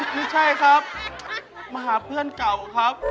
ไม่ใช่ครับมาหาเพื่อนเก่าครับ